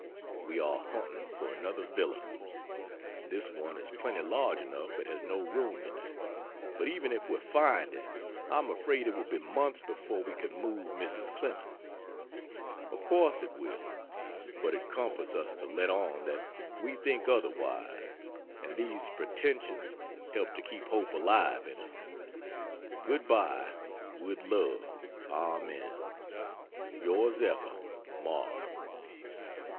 We are hunting for another villa, (this one is plenty large enough but has no room in it) but even if we find it I am afraid it will be months before we can move Mrs. Clemens. Of course it will. But it comforts us to let on that we think otherwise, and these pretensions help to keep hope alive in her. Good bye, with love, Amen. Yours ever MARK.